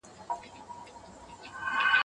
کمپيوټر سايټ پرانيزي.